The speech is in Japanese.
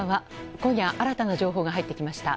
今夜、新たな情報が入ってきました。